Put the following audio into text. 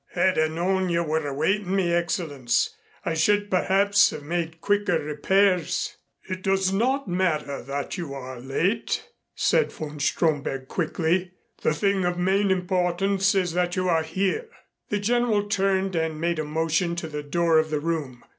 "Had I known you were awaiting me, Excellenz, I should perhaps have made quicker repairs." "It does not matter that you are late," said von Stromberg quickly. "The thing of main importance is that you are here." The General turned and made a motion to the door of the room.